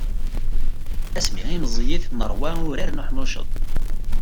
Asmi i meẓẓiyit, nerwa urar n uḥnucceḍ.